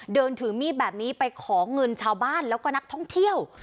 เดินถือมีดแบบนี้ไปขอเงินชาวบ้านแล้วก็นักท่องเที่ยว